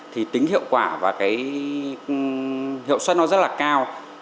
thì tính hiệu quả và cái hiệu suất nó rất là cao